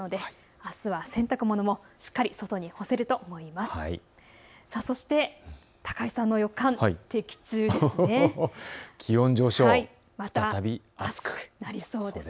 あすは洗濯物もしっかり外に干せると思います。